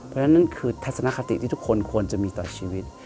เพราะฉะนั้นนั่นคือทัศนคติที่ทุกคนควรจะมีต่อชีวิต